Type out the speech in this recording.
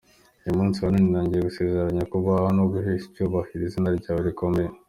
Uyu munsi wa none nongeye gusezeranya kukubaha no guhesha icyubahiro Izina ryawe Rikomeye.